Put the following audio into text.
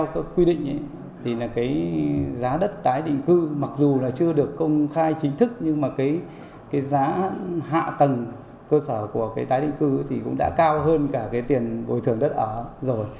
cái giá hạ tầng cơ sở của cái tái định cư thì cũng đã cao hơn cả cái tiền bồi thường đất ở rồi